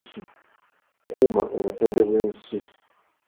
Kuuma obutonde bw'ensi.